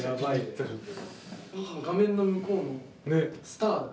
画面の向こうのスターが。